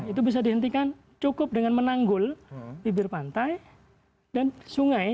itu bisa dihentikan cukup dengan menanggul bibir pantai dan sungai